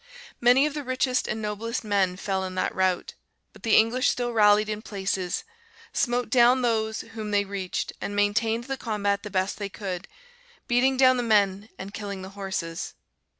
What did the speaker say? Many of the richest and noblest men fell in that rout, but the English still rallied in places; smote down those whom they reached, and maintained the combat the best they could; beating down the men and killing the horses.